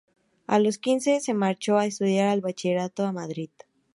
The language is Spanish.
A los quince se marchó a estudiar el Bachillerato a Madrid.